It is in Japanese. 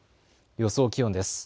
予想気温です。